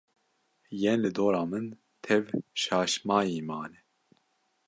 Yên li dora min tev şaşmayî mane